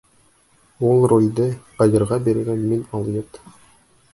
Ул ролде Ҡадирға биргән мин алйот!